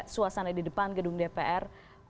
suasana di depan gedung dpr